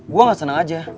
gue gak seneng aja